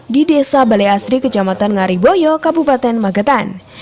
di desa balai asri kecamatan ngariboyo kabupaten magetan